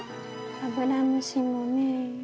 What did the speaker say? アブラムシもね。